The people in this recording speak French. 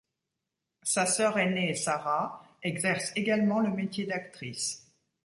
Sa soeur ainée, Sarah, exerce également le métier d'actrice.